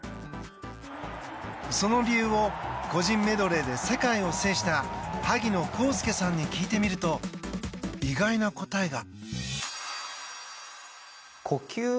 その理由を個人メドレーで世界を制した萩野公介さんに聞いてみると意外な答えが。